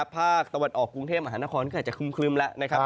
ภาคตะวันออกกรุงเทพมหานครก็อาจจะครึ้มแล้วนะครับ